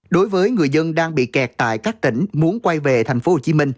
đối với người dân đang bị kẹt tại các tỉnh muốn quay về tp hcm